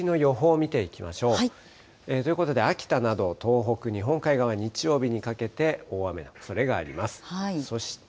この先の予報を見ていきましょう。ということで、秋田など、東北、日本海側、日曜日にかけて大雨のおそれがあります。